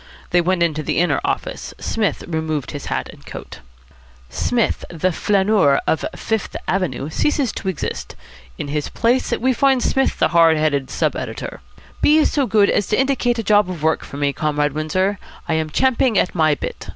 They went into the inner office. Psmith removed his hat and coat. "And now once more to work," he said. "Psmith the flaneur of Fifth Avenue ceases to exist. In his place we find Psmith the hard headed sub editor. Be so good as to indicate a job of work for me, Comrade Windsor. I am champing at my bit."